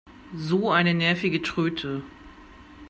So eine nervige Tröte!